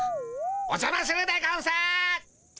おじゃまするでゴンス。